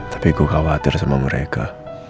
tapi gue khawatir sama mereka